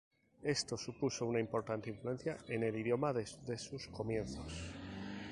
Esto supuso una importante influencia en el idioma desde sus comienzos.